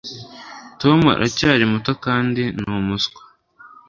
tom aracyari muto kandi ni umuswa